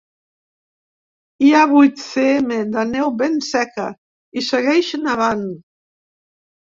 Hi ha vuit cm de neu ben seca i segueix nevant.